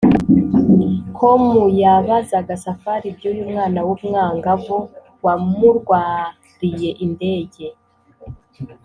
com yabazaga Safi iby’uyu mwana w’umwangavu wamurwariye indege